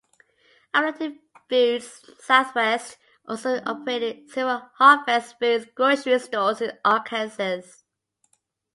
Affiliated Foods Southwest also operated several Harvest Foods grocery stores in Arkansas.